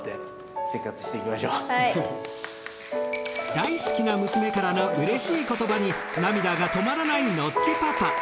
大好きな娘からのうれしい言葉に涙が止まらないノッチパパ。